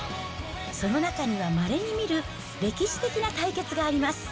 その中にはまれに見る歴史的な対決があります。